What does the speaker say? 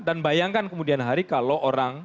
dan bayangkan kemudian hari kalau orang